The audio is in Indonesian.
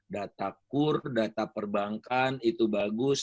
data kur data perbankan itu bagus